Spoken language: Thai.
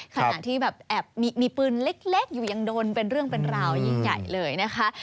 ขณะที่แบบแอบมีปืนเล็กอยู่ยังโดนเป็นเรื่องเป็นราวยิ่งใหญ่เลยนะคะ